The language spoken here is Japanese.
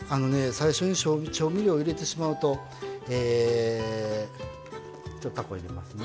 最初に調味料を入れてしまうとえちょっとたこ入れますね。